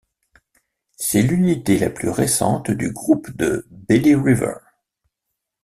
C'est l'unité la plus récente du Groupe de Belly River.